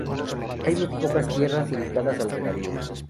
Hay muy pocas tierras dedicadas al regadío.